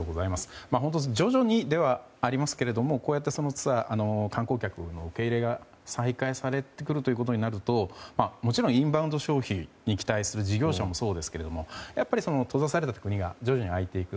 徐々にではありますがこうやってツアーなどで観光客の受け入れが再開されてくるともちろんインバウンド消費に期待する事業者もそうですがやっぱり閉ざされた国が徐々に開いていく。